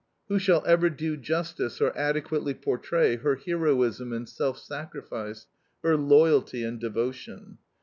Who shall ever do justice or adequately portray her heroism and self sacrifice, her loyalty and devotion?